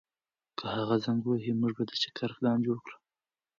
که هغه زنګ ووهي، موږ به د چکر پلان جوړ کړو.